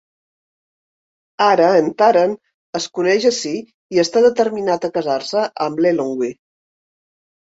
Ara en Taran es coneix a sí i està determinat a casar-se amb l'Eilonwy.